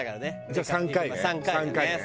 じゃあ３回ね３回ね。